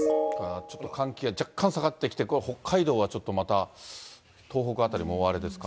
ちょっと寒気が若干下がってきて、北海道はちょっとまた、東北辺りも大荒れですか。